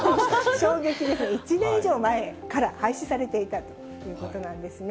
衝撃ですね、１年以上前から廃止されていたということなんですね。